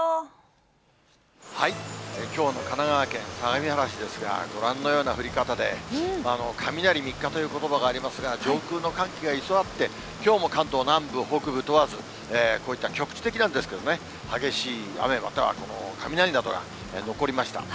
きょうの神奈川県相模原市ですが、ご覧のような降り方で、雷三日ということばがありますが、上空の寒気が居座って、きょうも関東南部、北部問わず、こういった局地的なんですけれどもね、激しい雨、またはこの雷などが残りました。